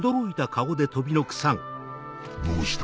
どうした？